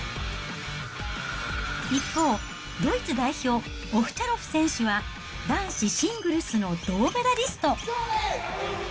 一方、ドイツ代表、オフチャロフ選手は、男子シングルスの銅メダリスト。